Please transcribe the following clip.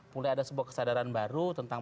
mulai ada sebuah kesadaran baru tentang